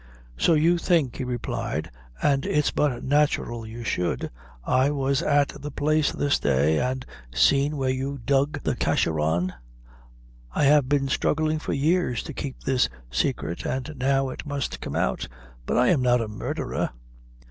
"So you think," he replied, "an' it's but nathural you should, I was at the place this day, and seen where you dug the Casharrawan. I have been strugglin' for years to keep this saicret, an' now it must come out; but I'm not a murdherer."